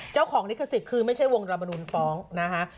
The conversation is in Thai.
เจ้าของลิขสิทธิ์คือไม่ใช่วงรามนุนฟ้องนะคะ